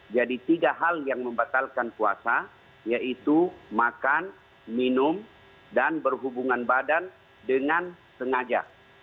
jadi tiga hal yang membatalkan puasa yaitu makan minum dan berhubungan badan dengan sengaja